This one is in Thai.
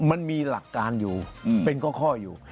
มันมีหลักการอยู่เป็นข้ออยู่